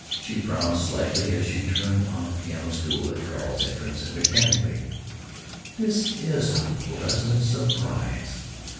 She frowned slightly as she turned on the piano stool at Carl's entrance, and mechanically: "This is a pleasant surprise."